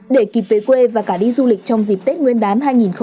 để kịp về quê và cả đi du lịch trong dịp tết nguyên đán hai nghìn hai mươi